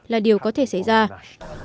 là điều có thể được làm được